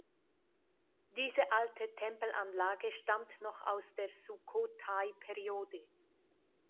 Diese alte Tempelanlage stammt noch aus der Sukhothai-Periode.